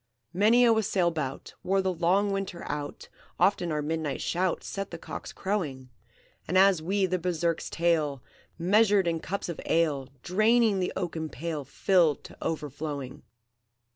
"Many a wassail bout Wore the long Winter out; Often our midnight shout Set the cocks crowing, As we the Berserk's tale Measured in cups of ale, Draining the oaken pail Filled to overflowing.